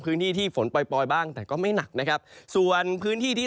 พื้นที่ที่ฝนปล่อยปล่อยบ้างแต่ก็ไม่หนักนะครับส่วนพื้นที่ที่